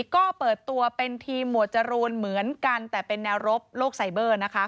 ก็เปิดตัวเป็นทีมหมวดจรูนเหมือนกันแต่เป็นแนวรบโลกไซเบอร์